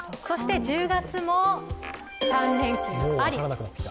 そして１０月３連休あり。